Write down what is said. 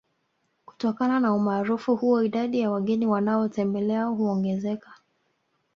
Kutokana na Umaarufu huo idadi ya wageni wanaotembelea huongezeka